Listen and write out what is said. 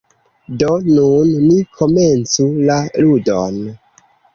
Do nun ni komencu la ludon.